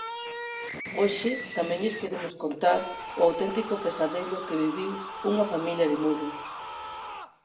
Hoxe tamén lles queremos contar o auténtico pesadelo que viviu unha familia de Muros.